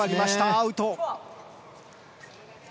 アウト。